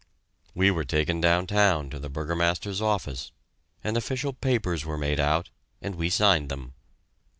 We were taken downtown to the Burgomaster's office, and official papers were made out, and we signed them.